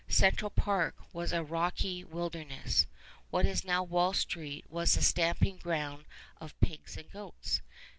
Central Park was a rocky wilderness. What is now Wall Street was the stamping ground of pigs and goats.